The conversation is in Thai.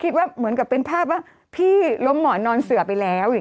แต่วันนี้ฉันก็ดูแลน่าฟอกไต